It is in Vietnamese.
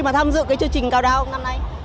tham dự cái chương trình cao đao năm nay